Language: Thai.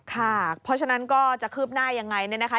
ค่ะเพราะฉะนั้นก็จะคืบหน้ายังไงเนี่ยนะคะ